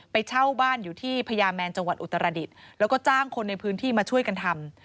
ไปเช่าบ้านอยู่ที่พญาแมนจังหวัดอุตรดิษฐ์แล้วก็จ้างคนในพื้นที่มาช่วยกันทำ